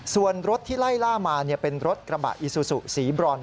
ส่วนรถที่ไล่ล่ามาเป็นรถกระบะอิซูซูสีบรอน